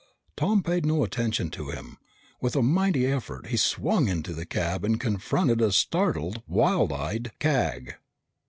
Tom paid no attention to him. With a mighty effort, he swung into the cab and confronted a startled, wild eyed Cag.